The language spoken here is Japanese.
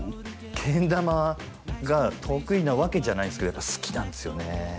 けん玉はが得意なわけじゃないですけどやっぱ好きなんですよね